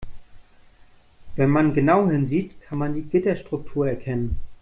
Wenn man genau hinsieht, kann man die Gitterstruktur erkennen.